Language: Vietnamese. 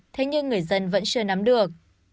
thế nhưng người dân vẫn chưa nắm được